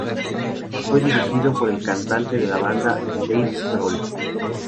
Fue dirigido por el cantante de la banda Dave Grohl.